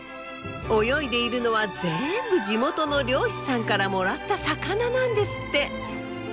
泳いでいるのはぜんぶ地元の漁師さんからもらった魚なんですって。